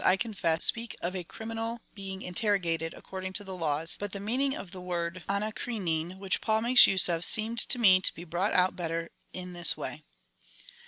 291 I confess, speak of a criminal being interrogated^ according to the laws, but the meaning of the word dvaKplvecv which Paul makes use of, seemed to me to be brought out better in this way.